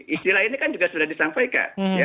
istilah ini kan juga sudah disampaikan